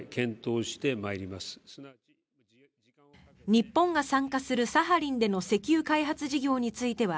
日本が参加するサハリンでの石油開発事業については